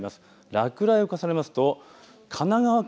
落雷を重ねますと神奈川県